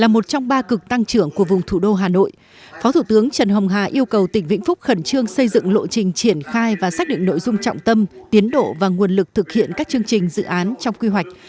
trong ba cực tăng trưởng của vùng thủ đô hà nội phó thủ tướng trần hồng hà yêu cầu tỉnh vĩnh phúc khẩn trương xây dựng lộ trình triển khai và xác định nội dung trọng tâm tiến độ và nguồn lực thực hiện các chương trình dự án trong quy hoạch